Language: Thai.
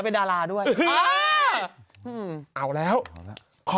พี่หนุ่มก็รู้จัก